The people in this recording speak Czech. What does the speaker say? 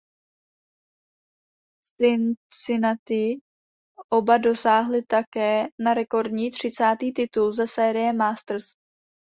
V Cincinnati oba dosáhli také na rekordní třicátý titul ze série Masters.